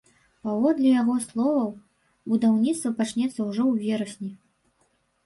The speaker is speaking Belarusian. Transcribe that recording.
Паводле яго словаў, будаўніцтва пачнецца ўжо ў верасні.